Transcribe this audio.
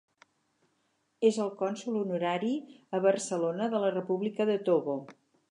És el cònsol honorari a Barcelona de la República de Togo.